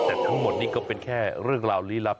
แต่ทั้งหมดนี่ก็เป็นแค่เรื่องราวลี้ลับ